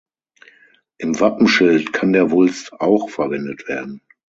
Im Wappenschild kann der Wulst auch verwendet werden.